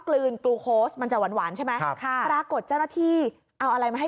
กลืนกลูโค้ชมันจะหวานหวานใช่ไหมครับค่ะปรากฏเจ้าหน้าที่เอาอะไรมาให้